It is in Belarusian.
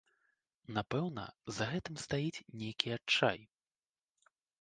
Напэўна, за гэтым стаіць і нейкі адчай.